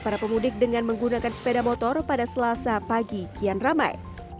para pemudik dengan menggunakan sepeda motor pada selasa pagi kian ramai